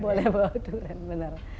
boleh bawa durian benar